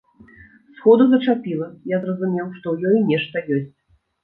Сходу зачапіла, я зразумеў, што ў ёй нешта ёсць.